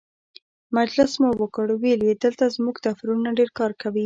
مجلس مو وکړ، ویل یې دلته زموږ دفترونه ډېر کار کوي.